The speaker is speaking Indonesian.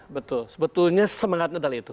betul sebetulnya semangatnya dari itu